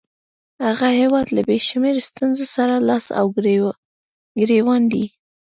هغه هیواد له بې شمېره ستونزو سره لاس او ګرېوان دی.